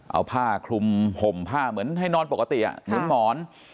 เอาผ้าคลุมห่มผ้าเหมือนให้นอนปกติเหมือนหมอน